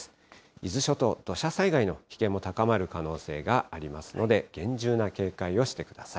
伊豆諸島、土砂災害の危険も高まる可能性がありますので、厳重な警戒をしてください。